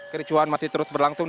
kericuan masih terus berlangsung